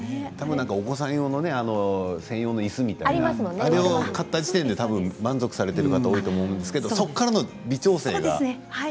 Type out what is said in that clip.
お子さん用の専用のいすとかあれを買った時点で満足されている方多いと思うんですけれどもそこからの微調整なんですね。